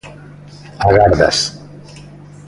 Agardas.